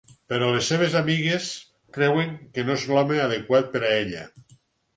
Però les seves amigues creuen que no és l'home adequat per a ella.